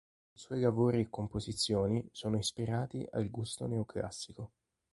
I suoi lavori e composizioni sono ispirati al gusto neoclassico.